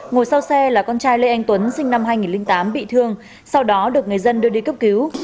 ngồi sau xe là con trai lê anh tuấn sinh năm hai nghìn tám bị thương sau đó được người dân đưa đi cấp cứu